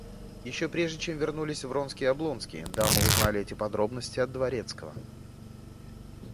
Еще прежде чем вернулись Вронский и Облонский, дамы узнали эти подробности от дворецкого.